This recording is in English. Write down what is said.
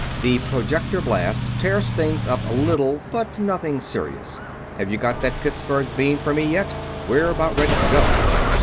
The projector blast tears things up a little, but nothing serious. Have you got that Pittsburgh beam for me yet? We're about ready to go."